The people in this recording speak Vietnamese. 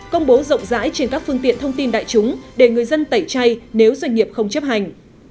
công bố rộng rãi trên các phương tiện thông tin đại chúng để người dân tẩy chay nếu doanh nghiệp không chấp hành